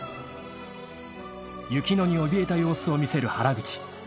［雪乃におびえた様子を見せる原口］